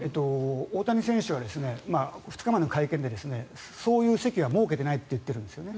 大谷選手は２日までの会見でそういう席は設けてないと言っているんですね。